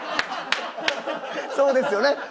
そうですよね。